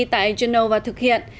tại genova thực hiện